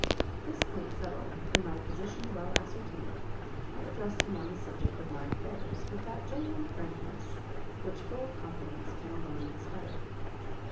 This point settled, and my position well ascertained, I addressed him on the subject of my affairs with that genuine frankness which full confidence can alone inspire.